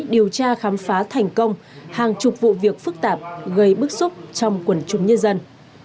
điều tra khám phá thành công hàng chục vụ việc phức tạp gây bức xúc trong quần chúng nhân dân